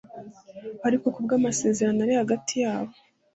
ariko kubwamasezerano ari hagati yabo